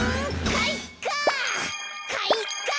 かいか！